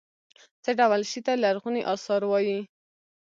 څه ډول شي ته لرغوني اثار وايي.